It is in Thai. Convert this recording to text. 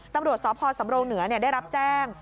ตำรวจสพสำรงเหนือได้รับแจ้ง